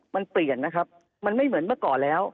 มันเปลี่ยนนะครับมันไม่เหมือนเมื่อก่อนแล้ว